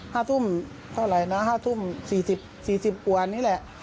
ห้าทุ่มเท่าไหร่นะห้าทุ่มสี่สิบสี่สิบกว่านี่แหละ